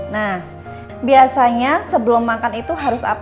nah biasanya sebelum makan itu harus apa